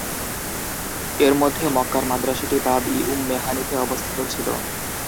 এর মধ্যে মক্কার মাদ্রাসাটি বাব-ই-উম্মেহানিতে অবস্থিত ছিল।